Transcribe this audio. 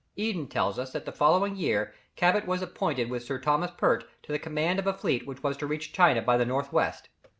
Eden tells us that the following year Cabot was appointed with Sir Thomas Pert to the command of a fleet which was to reach China by the north west.